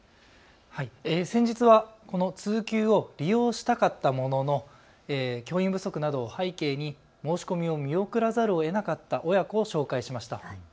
先日はこの通級を利用したかったものの教員不足などを背景に申し込みを見送らざるをえなかった親子を紹介しました。